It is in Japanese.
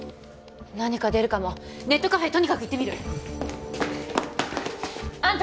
何か出るかもネットカフェとにかく行ってみるあんた